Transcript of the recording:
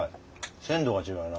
鮮度が違うな。